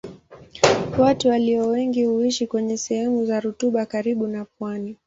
Watu walio wengi huishi kwenye sehemu za rutuba karibu na pwani.